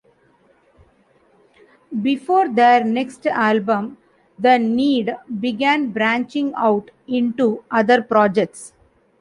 Before their next album, The Need began branching out into other projects.